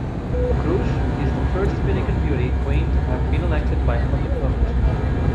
Cruz is the first Dominican beauty queen to have been elected by public vote.